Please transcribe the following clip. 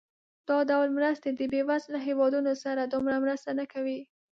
دا ډول مرستې د بېوزله هېوادونو سره دومره مرسته نه کوي.